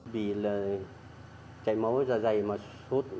vì là chạy máu ra dày mà sốt